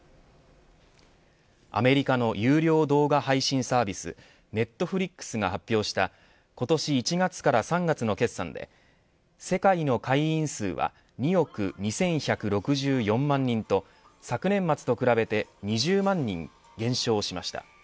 アメリカの有料動画配信サービスネットフリックスが発表した今年１月から３月の決算で世界の会員数は２億２１６４万人と昨年末と比べて２０万人、減少しました。